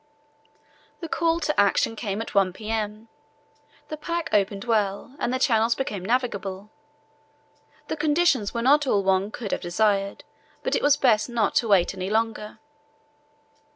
The call to action came at 1 p.m. The pack opened well and the channels became navigable. The conditions were not all one could have desired, but it was best not to wait any longer.